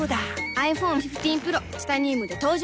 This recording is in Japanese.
ｉＰｈｏｎｅ１５Ｐｒｏ チタニウムで登場